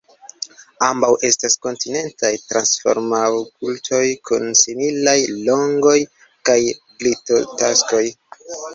Ambaŭ estas kontinentaj transformofaŭltoj kun similaj longoj kaj glitotaksoj.